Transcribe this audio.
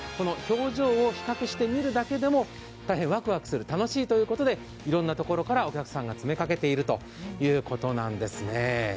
表情を比較してみるだけでも大変わくわくする、楽しいということでいろんなところからお客さんが詰めかけているということなんですね。